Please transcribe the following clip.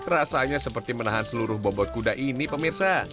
rasanya seperti menahan seluruh bobot kuda ini pemirsa